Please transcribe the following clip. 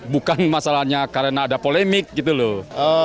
bukan masalahnya karena ada polemik gitu loh